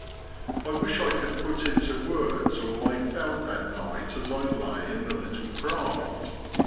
I wish I could put into words all I felt that night as I lay in the little craft.